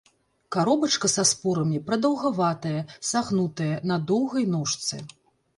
Каробачка са спорамі прадаўгаватая, сагнутая, на доўгай ножцы.